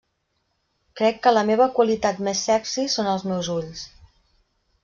Crec que la meva qualitat més sexy són els meus ulls!